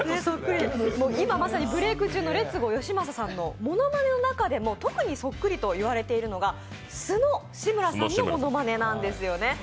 今まさにブレイク中のレッツゴーよしまささんのものまねの中でも特にそっくりと言われているのが素の志村さんのものまねなんですよね。